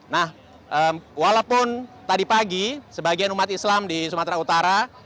nah walaupun tadi pagi sebagian umat islam di sumatera utara